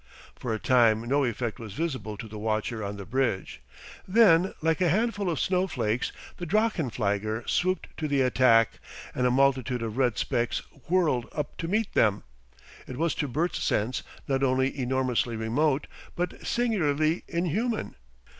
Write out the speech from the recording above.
For a time no effect was visible to the watcher on the bridge. Then, like a handful of snowflakes, the drachenflieger swooped to the attack, and a multitude of red specks whirled up to meet them. It was to Bert's sense not only enormously remote but singularly inhuman.